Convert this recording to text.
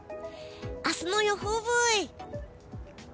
明日の予報ブイ！